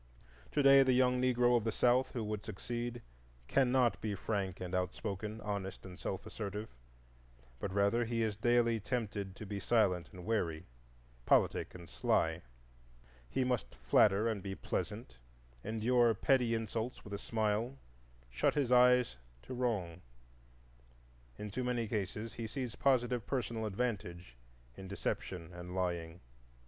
To day the young Negro of the South who would succeed cannot be frank and outspoken, honest and self assertive, but rather he is daily tempted to be silent and wary, politic and sly; he must flatter and be pleasant, endure petty insults with a smile, shut his eyes to wrong; in too many cases he sees positive personal advantage in deception and lying.